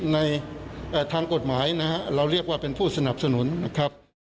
ในทางกฎหมายนะฮะเราเรียกว่าเป็นผู้สนับสนุนนะครับ